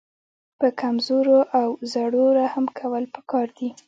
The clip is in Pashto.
په کمزورو او زړو رحم کول پکار دي.